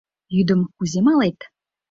Йӱдым кузе малет?